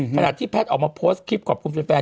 ขณะที่แพทย์ออกมาโพสต์คลิปขอบคุณแฟน